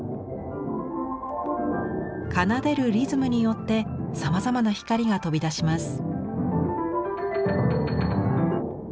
奏でるリズムによってさまざまな光が飛び出します。